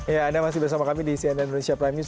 ya anda masih bersama kami di cnn indonesia prime news